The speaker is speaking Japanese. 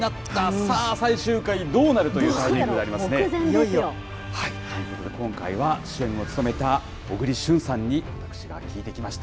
さあ、最終回、どうなるという具目前ですよ。ということで今回は、主演を務めた小栗旬さんに私が聞いてきました。